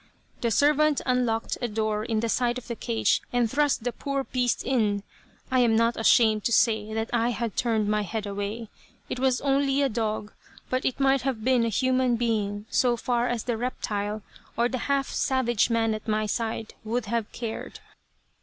The servant unlocked a door in the side of the cage and thrust the poor beast in. I am not ashamed to say that I turned my head away. It was only a dog, but it might have been a human being, so far as the reptile, or the half savage man at my side, would have cared.